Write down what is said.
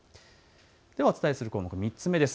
ではお伝えする項目、３つ目です。